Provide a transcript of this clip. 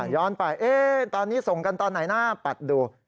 ย้อนไปตอนนี้ส่งกันตอนไหนนะปัดดู